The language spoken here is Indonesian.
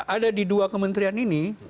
ada di dua kementerian ini